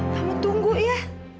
kamu tunggu ya